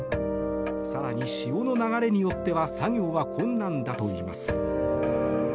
更に、潮の流れによっては作業は困難だといいます。